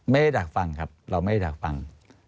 ไม่ได้อยากฟังครับเราไม่ได้อยากฟัง